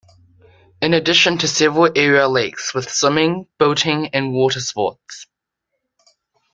In addition to several area lakes with swimming, boating and water sports.